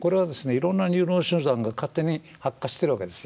いろんなニューロン集団が勝手に発火してるわけですよ。